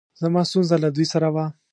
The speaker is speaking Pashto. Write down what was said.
زما ستونره له دوی سره وه